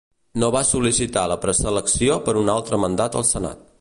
No va sol·licitar la preselecció per un altre mandat al Senat.